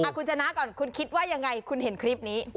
คุณชนะก่อนคุณคิดว่ายังไงคุณเห็นคลิปนี้